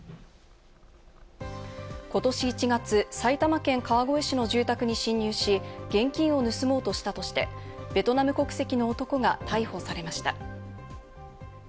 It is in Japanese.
今年１月、埼玉県川越市の住宅に侵入し、現金を盗もうとしたとして、ベトナム国籍の男が逮捕されました。